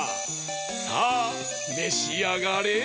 さあめしあがれ！